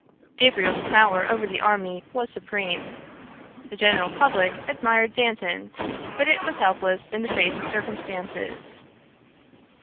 Gabriel's power over the army was supreme. The general public admired Dantan, but it was helpless in the face of circumstances.